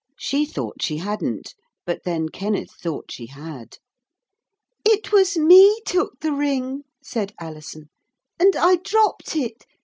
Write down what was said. She thought she hadn't, but then Kenneth thought she had. 'It was me took the ring,' said Alison, 'and I dropped it.